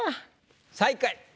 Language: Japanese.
最下位。